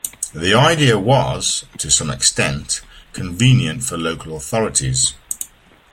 This idea was, to some extent, convenient for local authorities.